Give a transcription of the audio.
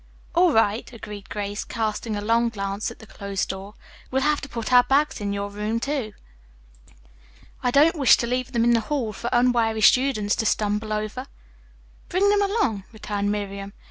"All right," agreed Grace, casting a longing glance at the closed door. "We'll have to put our bags in your room, too. I don't wish to leave them in the hall for unwary students to stumble over." "Bring them along," returned Miriam.